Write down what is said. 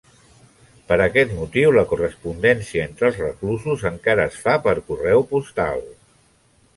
Per aquest motiu, la correspondència entre els reclusos encara es fa per correu postal.